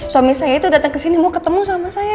suami saya itu datang kesini mau ketemu sama saya